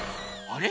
あれ？